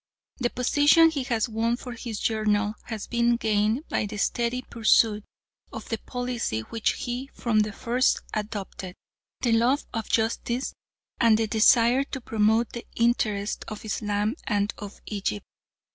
The position he has won for his journal has been gained by the steady pursuit of the policy which he from the first adopted the love of justice and the desire to promote the interests of Islam and of Egypt.